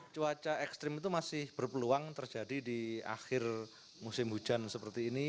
cuaca ekstrim itu masih berpeluang terjadi di akhir musim hujan seperti ini